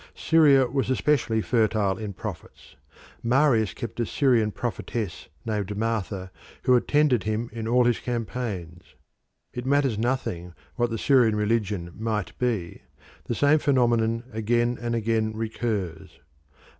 Syria was especially fertile in prophets. Marius kept a Syrian prophetess named Martha, who attended him in all his campaigns. It matters nothing what the Syrian religion might be; the same phenomenon again and again recurs.